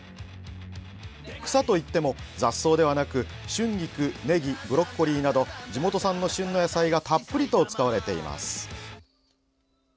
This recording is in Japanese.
草といっても、雑草ではなく春菊、ねぎ、ブロッコリーなど地元産の旬の野菜がたっぷりと使われています。